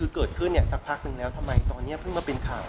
คือเกิดขึ้นสักพักนึงแล้วทำไมตอนนี้เพิ่งมาเป็นข่าว